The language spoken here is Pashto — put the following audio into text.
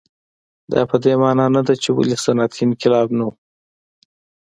دا په دې معنا نه ده چې ولې صنعتي انقلاب نه و.